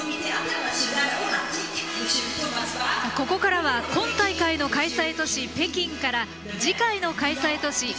ここからは今大会の開催都市・北京から次回の開催都市